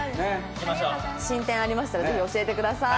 進展ありましたらぜひ教えてください。